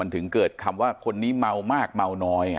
ถึงเกิดคำว่าคนนี้เมามากเมาน้อย